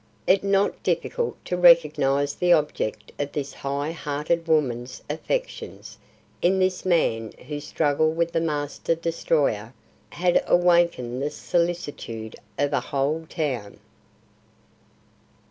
It not difficult to recognise the object of this high hearted woman's affections in this man whose struggle with the master destroyer had awakened the solicitude of a whole town.